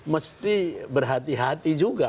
mesti berhati hati juga